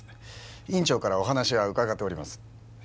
院長からお話は伺っております